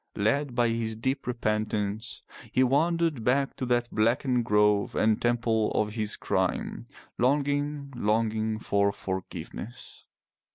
Led by his 356 FROM THE TOWER WINDOW deep repentance, he wandered back to that blackened grove and temple of his crime, longing, longing for forgiveness.